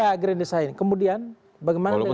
ya grand design kemudian bagaimana dengan